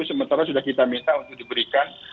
sementara sudah kita minta untuk diberikan